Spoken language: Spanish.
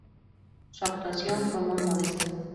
Su actuación fue muy modesta.